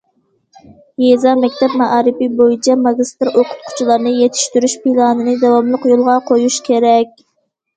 يېزا مەكتەپ مائارىپى بويىچە ماگىستىر ئوقۇتقۇچىلارنى يېتىشتۈرۈش پىلانىنى داۋاملىق يولغا قويۇش كېرەك.